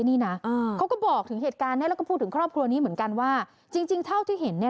นี่คือทางด้านของอีกคนนึงบ้างค่ะคุณผู้ชมค่ะ